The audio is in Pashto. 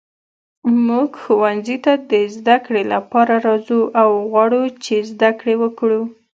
موږ ښوونځي ته د زده کړې لپاره راځو او غواړو چې زده کړې وکړو.